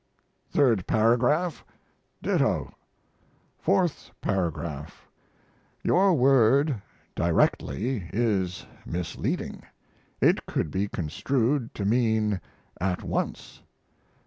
Third Paragraph. Ditto. Fourth Paragraph. Your word "directly" is misleading; it could be construed to mean "at once."